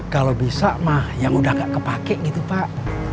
kalau bisa mah yang udah gak kepake gitu pak